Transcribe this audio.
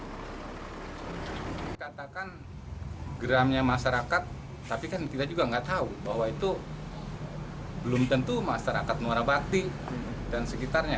dikatakan geramnya masyarakat tapi kan kita juga nggak tahu bahwa itu belum tentu masyarakat muara bakti dan sekitarnya